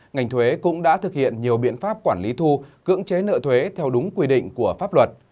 ngành thuế cũng đã thực hiện nhiều biện pháp quản lý thu cưỡng chế nợ thuế theo đúng quy định của pháp luật